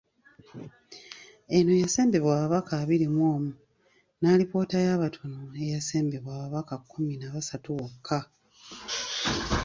Eno yasembebwa ababaka abiri mu omu ne Alipoota y’abatono eyasembebwa ababaka kkumi na basatu bokka.